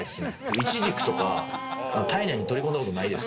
イチジクとか、体内に取り込んだことないです。